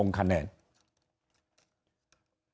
นอกจากว่าถึงเวลาที่จะได้ให้ประชาชนแท้มาลงคะแนน